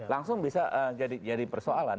langsung bisa jadi persoalan